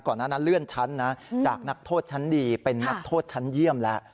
ก่อนหน้านั้นเลื่อนชั้นนะจากนักโทษชั้นดีเป็นนักโทษชั้นเยี่ยมแล้ว